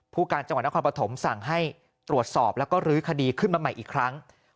ผู้การจังหวัดนครปฐมสั่งให้ตรวจสอบแล้วก็ลื้อคดีขึ้นมาใหม่อีกครั้ง